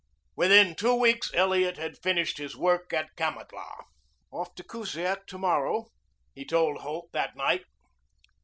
Within two weeks Elliot had finished his work at Kamatlah. "Off for Kusiak to morrow," he told Holt that night.